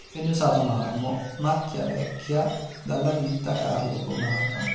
Venne usato marmo "macchia vecchia" dalla ditta Carlo Comana.